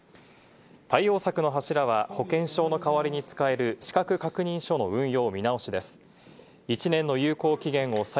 対応策の柱は、保険証の代わりに使える資格確認書の運用見直しです。